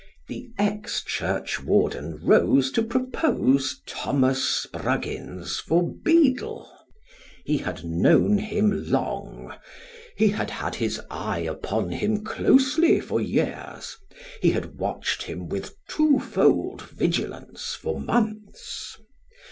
The ex churchwarden rose to propose Thomas Spruggins for beadle. He had known him long. He had had his eye upon him closely for years ; he had watched him with twofold vigilance for months.